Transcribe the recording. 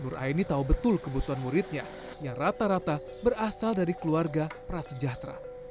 nur aini tahu betul kebutuhan muridnya yang rata rata berasal dari keluarga prasejahtera